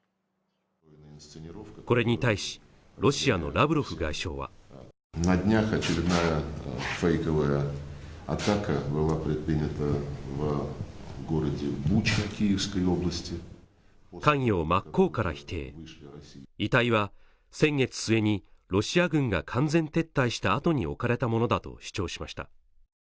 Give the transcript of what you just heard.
これに対しロシアのラブロフ外相は関与を真っ向から否定遺体は先月末にロシア軍が完全撤退したあとに置かれたものだと主張しました